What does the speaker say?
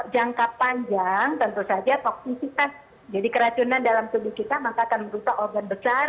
jangka panjang tentu saja fokusitas jadi keracunan dalam tubuh kita maka akan merusak organ besar